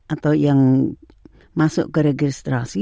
atau yang masuk ke registrasi